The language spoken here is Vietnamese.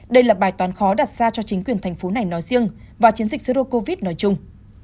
đây là bài toán khó đặt ra cho chính quyền thành phố này nói riêng và chiến dịch zero covid nói chung